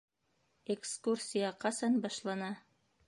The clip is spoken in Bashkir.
Экскурсия ҡасан башлана?